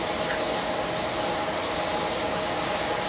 ต้องเติมเนี่ย